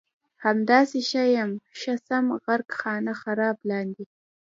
همداسې ښه یم ښه سم غرق خانه خراب لاندې